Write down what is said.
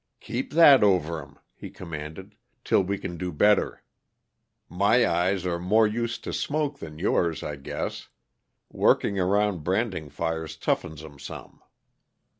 "Keep that over 'em," he commanded, "till we can do better. My eyes are more used to smoke than yours, I guess. Working around branding fires toughens 'em some."